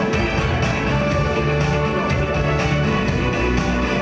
มึงว่าฉันมึงแค่กว้าง